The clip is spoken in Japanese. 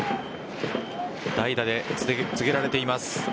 代打で告げられています。